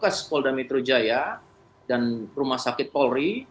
kasus polda mitrujaya dan rumah sakit polri